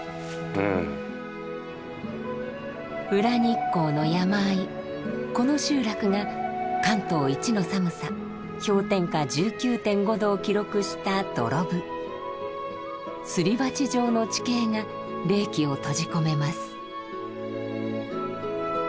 裏日光の山あいこの集落が関東一の寒さ氷点下１９．５℃を記録したすり鉢状の地形が冷気を閉じ込めます。